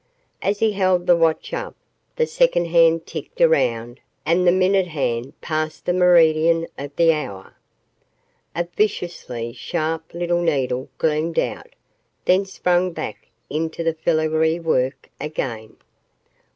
As he held the watch up, the second hand ticked around and the minute hand passed the meridian of the hour. A viciously sharp little needle gleamed out then sprang back into the filigree work again.